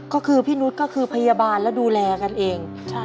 ก็คือพี่นุษย์ก็คือพยาบาลและดูแลกันเอง